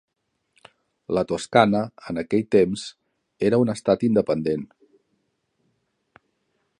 La Toscana, en aquell temps, era un estat independent.